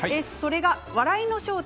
「笑いの正体